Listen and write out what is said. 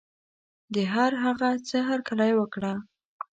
د هر هغه څه هرکلی وکړه.